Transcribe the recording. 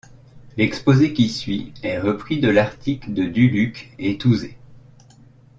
L'exposé qui suit est repris de l'article de Dulucq et Touzet.